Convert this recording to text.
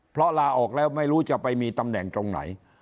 เพราะลาออกแล้วไม่รู้จะไปมีตำแหน่งตรงไหน